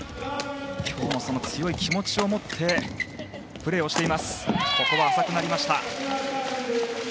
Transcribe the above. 今日も強い気持ちを持ってプレーをしています。